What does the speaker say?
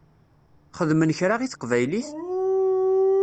Xedmen kra i teqbaylit?